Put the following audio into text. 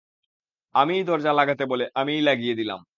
আমিই দরজা লাগাতে বলে আমিই লাগিয়ে দিলাম।